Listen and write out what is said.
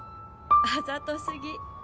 「あざとすぎ」